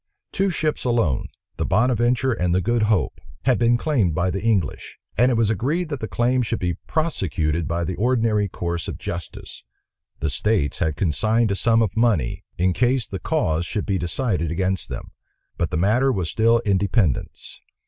Two ships alone, the Bonaventure and the Good Hope, had been claimed by the English; and it was agreed that the claim should be prosecuted by the ordinary course of justice. The states had consigned a sum of money, in case the cause should be decided against them; but the matter was still in dependence.